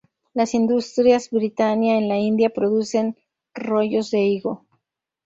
Las Industrias Britannia en la India producen rollos de higo.